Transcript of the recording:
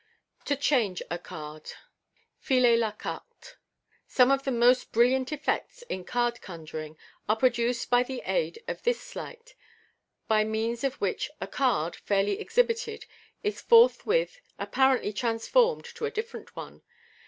To " Change " a Card. {Filer la Carte.')— Some of the most brilliant effects in card conjuring are produced by the aid of this sleight, by means of which a card, fairly exhibited, is forthwith appa fently transformed to a different one.